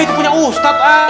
itu punya ustadz ah